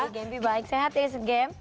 gempi baik sehat ya gem